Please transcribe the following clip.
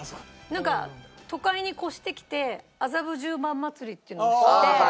なんか都会に越してきて麻布十番まつりっていうのを知って。